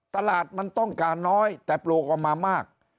ตลาดมันต้องการน้อยแต่ปลูกออกมามาก